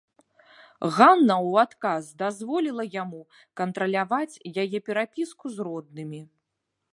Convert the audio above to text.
Ганна ў адказ дазволіла яму кантраляваць яе перапіску з роднымі.